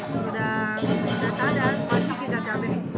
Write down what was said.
sudah kita ada pasti kita capek